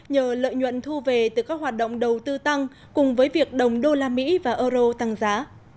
nhờ lợi nhuận thu về từ các hoạt động đầu tư tăng cùng với việc đồng usd và eur tăng giá